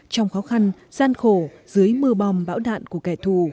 trong khó khăn gian khổ dưới mưa bom bão đạn của kẻ thù